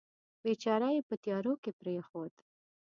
بیچاره یې په تیارو کې پرېښود.